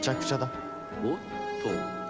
おっと。